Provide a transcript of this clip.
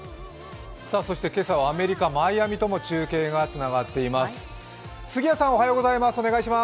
今朝はアメリカ・マイアミとも中継がつながっています。